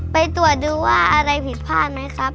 ไปตรวจดูว่าอะไรผิดพลาดไหมครับ